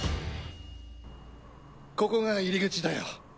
ここが入り口だよ。